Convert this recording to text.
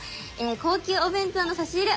高級お弁当の差し入れ